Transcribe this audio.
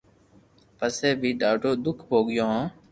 پسي بي ڌاڌو دوک ڀوگيو ھو